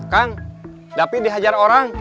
kang dapi dihajar orang